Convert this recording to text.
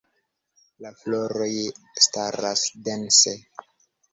La floroj staras dense.